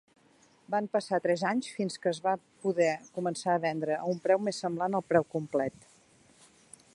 Van passar tres anys fins que es va poder començar a vendre a un preu més semblant al preu complet.